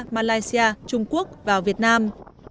malaysia trung quốc vào việt nam